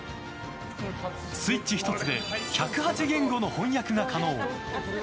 スイッチ１つで１０８言語の翻訳が可能。